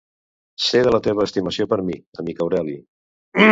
Sé de la teva estimació per mi, amic Aureli.